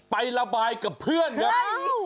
ไประบายกับเพื่อนครับ